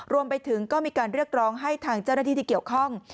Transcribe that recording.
รวมไปถึงก็มีการเรียกร้องให้ทางเจ้าหน้าที่ที่เกี่ยวข้อง